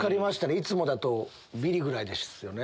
いつもだとビリぐらいですよね。